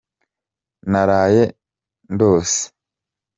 naraye ndose.